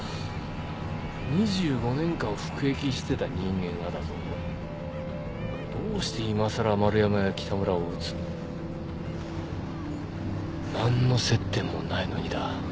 ２５年間服役してた人間がだぞどうしていまさら丸山や北村を撃つ何の接点もないのにだ